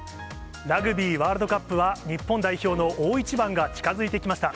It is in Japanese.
ラグビーワールドカップは、日本代表の大一番が近づいてきました。